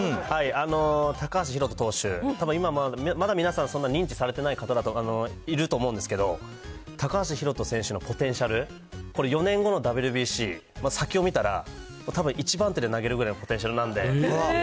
高橋宏斗投手、たぶん今、まだ皆さん、そんな認知されてない方も、いると思うんですけど、高橋宏斗選手のポテンシャル、これ４年後のＷＢＣ、先を見たら、たぶん一番手で投げるくらいのポテンシャルなんで。